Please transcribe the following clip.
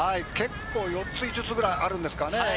結構、４つ、５つぐらいあるんですかね。